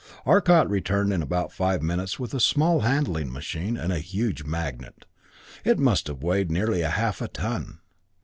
Arcot returned in about five minutes with a small handling machine, and a huge magnet. It must have weighed nearly half a ton.